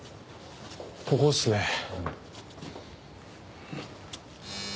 ここっすね。